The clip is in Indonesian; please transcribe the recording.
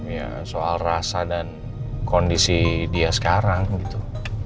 ya soal rasa dan kondisi dia sekarang gitu